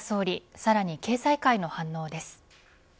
さらに経済界の反応です。